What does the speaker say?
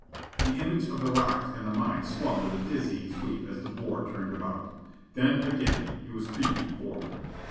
The image of the rocks and the mine swung with a dizzying sweep as De Boer turned about. Then again he was creeping forward.